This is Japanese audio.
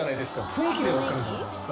雰囲気で分かるじゃないですか。